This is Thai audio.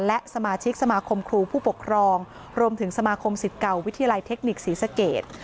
และสมาชิกสมาคมครูผู้ปกครองรวมถึงสมาคมสิทธิ์เก่าวิทยาลัยเทคนิคศรีสเกต